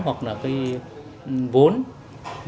hoặc là cái vốn